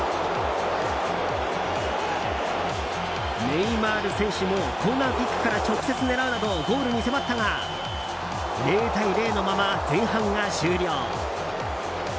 ネイマール選手もコーナーキックから直接狙うなどゴールも迫ったが０対０のまま前半が終了。